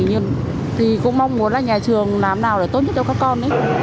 nhưng thì cũng mong muốn là nhà trường làm nào để tốt nhất cho các con